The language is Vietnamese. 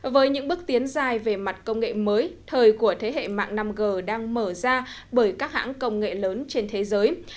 với những bước tiến dài về mặt công nghệ mới thời của thế hệ mạng năm g đang mở ra bởi các hãng công nghệ lớn trên thế giới